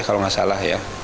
kalau tidak salah